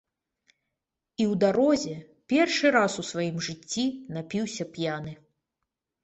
І ў дарозе, першы раз у сваім жыцці, напіўся п'яны.